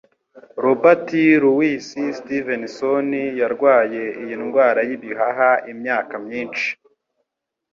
Robert Louis Stevenson yarwaye iyi ndwara y'ibihaha imyaka myinshi